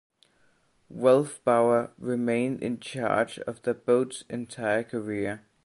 Wolfbauer remained in charge for the boat's entire career.